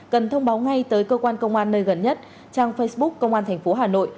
cần thông báo ngay tới cơ quan công an nơi gần nhất trang facebook công an tp hà nội